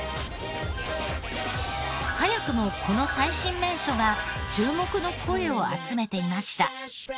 早くもこの最新名所が注目の声を集めていました。